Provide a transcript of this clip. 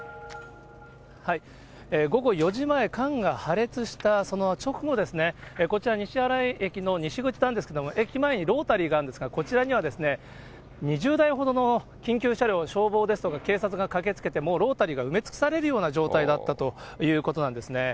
午後４時前、缶が破裂したその直後ですね、こちら、西新井駅の西口なんですけれども、駅前にロータリーがあるんですが、こちらには、２０台ほどの緊急車両、消防ですとか警察が駆けつけて、もうロータリーが埋め尽くされるような状態だったということなんですね。